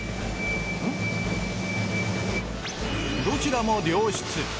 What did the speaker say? どちらも良質。